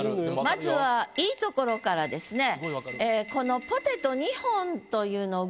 まずは良いところからですね。